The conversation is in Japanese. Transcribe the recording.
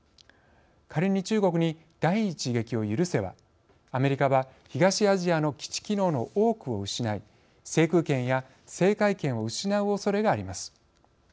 仮に中国に第一撃を許せばアメリカは東アジアの基地機能の多くを失い制空権や制海権を失うおそれがあります。